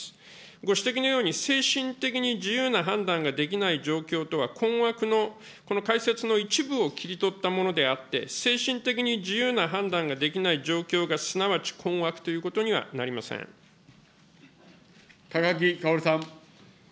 ご指摘のように、精神的に自由な判断ができない状況とは、困惑のこの解説の一部を切り取ったものであって、精神的に自由な判断ができない状況がすなわち困惑ということには高木かおりさん。